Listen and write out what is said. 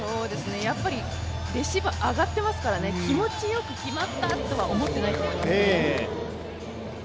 やっぱりレシーブ上がってますからね、気持ちよく決まったとは思っていないと思いますね。